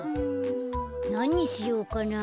なんにしようかな？